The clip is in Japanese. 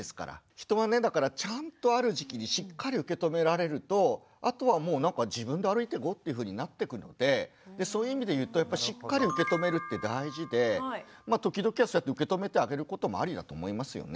人はねだからちゃんとある時期にしっかり受け止められるとあとはもうなんか自分で歩いていこうっていうふうになってくのでそういう意味でいうとやっぱしっかり受け止めるって大事で時々はそうやって受け止めてあげることもありだと思いますよね。